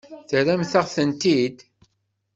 Terramt-aɣ-ten-id?